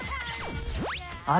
「あれ？